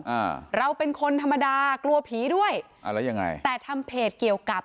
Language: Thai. อ่าเราเป็นคนธรรมดากลัวผีด้วยอ่าแล้วยังไงแต่ทำเพจเกี่ยวกับ